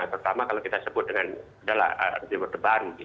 pertama kalau kita sebut dengan adalah rezim berubah baru gitu